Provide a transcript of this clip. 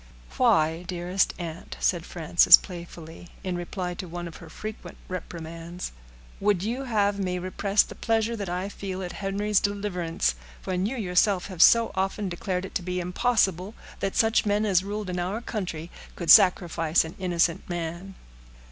"Why, dearest aunt," said Frances, playfully, in reply to one of her frequent reprimands, "would you have me repress the pleasure that I feel at Henry's deliverance, when you yourself have so often declared it to be impossible that such men as ruled in our country could sacrifice an innocent man?"